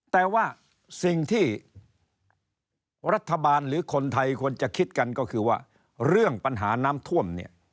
แต่ว่าสิ่งที่รัฐบาลหรือคนไทยควรจะคิดกันก็คือว่าเรื่องปัญหาน้ำท่วมเนี่ย